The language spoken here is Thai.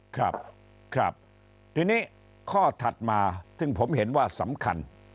ครับครับทีนี้ข้อถัดมาซึ่งผมเห็นว่าสำคัญ